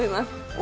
お！